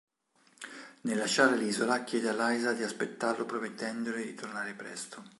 Nel lasciare l'isola, chiede a Liza di aspettarlo promettendole di tornare presto.